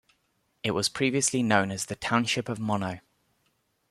It was previously known as the Township of Mono.